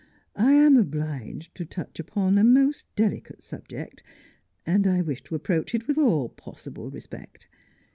I am obliged to touch upon a most delicate subject, and I wish to approach it with all possible respect.